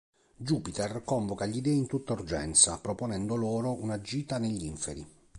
Jupiter convoca gli dei in tutta urgenza, proponendo loro una gita negli inferi.